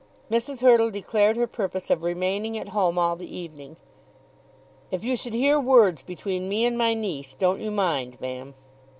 Mrs. Hurtle declared her purpose of remaining at home all the evening. "If you should hear words between me and my niece, don't you mind, ma'am."